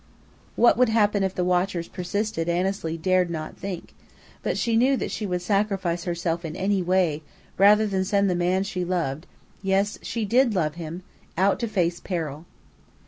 What would happen if the watchers persisted Annesley dared not think; but she knew that she would sacrifice herself in any way rather than send the man she loved (yes, she did love him!) out to face peril.